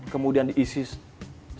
kemudian diisi secara demokratis